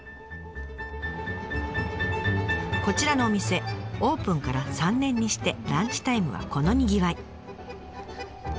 こちらのお店オープンから３年にしてランチタイムはこのにぎわい。